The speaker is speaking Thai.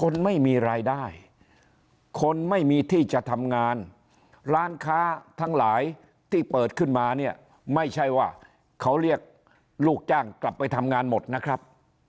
คนไม่มีรายได้คนไม่มีที่จะทำงานร้านค้าทั้งหลายที่เปิดขึ้นมาเนี่ยไม่ใช่ว่าเขาเรียกลูกจ้างกลับไปทำงานหมดนะครับ